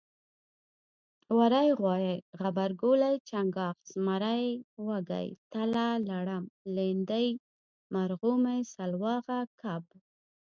وری غوایي غبرګولی چنګاښ زمری وږی تله لړم لیندۍ مرغومی سلواغه کب